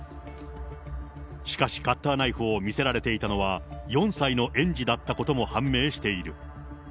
しかし、カッターナイフを見せられていたのは、４歳の園児だったことも判明している。